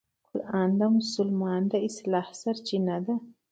قرآن د مسلمان د اصلاح سرچینه ده.